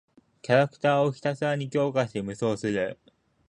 キャラクターをひたすらに強化して無双する。